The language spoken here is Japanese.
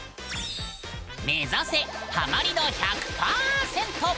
目指せハマり度１００％！